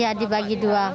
ya dibagi dua